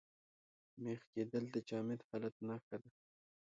مېخ کېدل د جامد حالت نخښه ده.